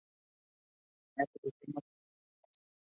A este sistema se le nombró: Francisco.